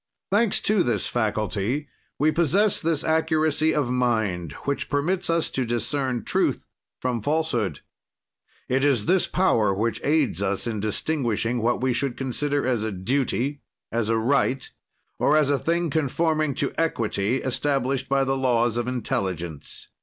"Thanks to this faculty, we possess this accuracy of mind which permits us to discern truth from falsehood. "It is this power which aids us in distinguishing what we should consider as a duty, as a right, or as a thing conforming to equity, established by the laws of intelligence.